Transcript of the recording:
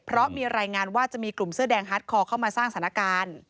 เพราะมีรายงานว่าจะมีกลุ่มเสื้อแดงฮาร์ดคอเข้ามาสร้างสถานการณ์